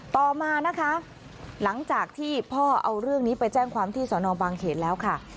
ต่อมานะคะหลังจากที่พ่อเอาเรื่องนี้ไปแจ้งความที่สอนอบางเขตแล้วค่ะ